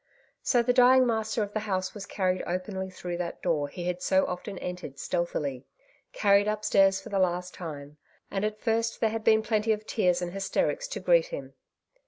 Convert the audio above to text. So the dying master of the house was carried openly through that door he had so often entered stealthily — carried upstairs for the last time ; and at first there had been plenty of tears and hysterics to greet him.